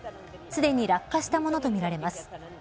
すでに落下したものとみられます。